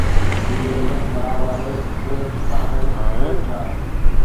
هي لذت خراب آهي، اهي سٺا آهن، پوءِ ڇا!